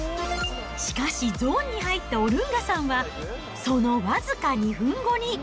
しかし、ゾーンに入ったオルンガさんはその僅か２分後に。